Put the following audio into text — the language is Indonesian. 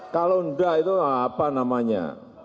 kalau enggak itu apa namanya